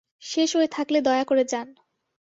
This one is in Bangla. শেষ হয়ে থাকলে দয়া করে যান।